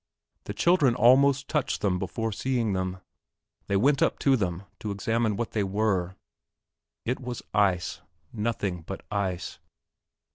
The children almost touched them before seeing them. They went up to them to examine what they were. It was ice nothing but ice.